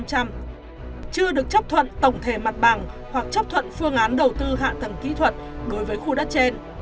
chưa được chấp thuận tổng thể mặt bằng hoặc chấp thuận phương án đầu tư hạ tầng kỹ thuật đối với khu đất trên